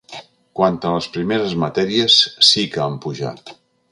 Quant a les primeres matèries, sí que han pujat.